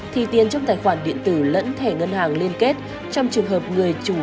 thì tiền trong tài khoản điện tử lẫn thẻ ngân hàng